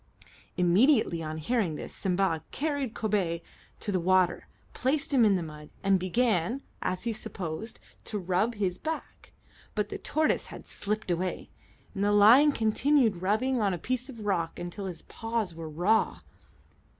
Immediately on hearing this, Simba carried Kobay to the water, placed him in the mud, and began, as he supposed, to rub his back; but the tortoise had slipped away, and the lion continued rubbing on a piece of rock until his paws were raw.